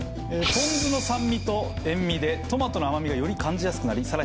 ポン酢の酸味と塩味でトマトの甘みがより感じやすくなり